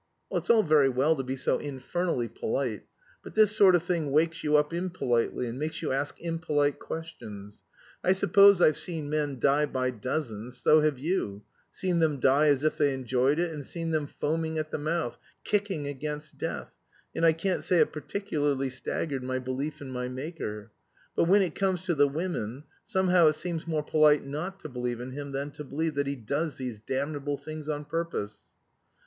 "It's all very well to be so infernally polite. But this sort of thing wakes you up impolitely, and makes you ask impolite questions. I suppose I've seen men die by dozens so have you seen them die as if they enjoyed it, and seen them foaming at the mouth, kicking against death and I can't say it particularly staggered my belief in my Maker. But when it comes to the women, somehow it seems more polite not to believe in him than to believe that he does these damnable things on purpose."